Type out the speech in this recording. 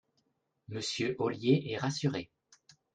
Monsieur Ollier est rassuré